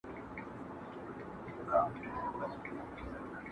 تر کارګه یې په سل ځله حال بتر دی،